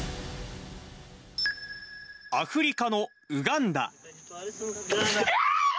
アフリカのウガンダ。